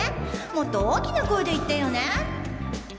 もっと大きな声で言ってよね！